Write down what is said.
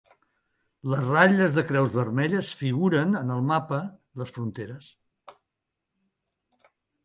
Les ratlles de creus vermelles figuren, en el mapa, les fronteres.